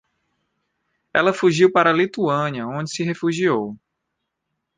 Ela fugiu para a Lituânia, onde se refugiou